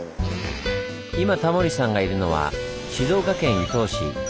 今タモリさんがいるのは静岡県伊東市。